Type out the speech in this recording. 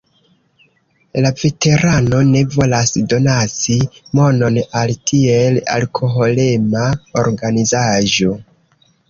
La veterano ne volas donaci monon al tiel alkoholema organizaĵo.